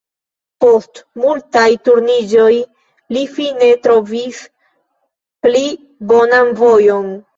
Post multaj turniĝoj li fine trovis pli bonan vojon.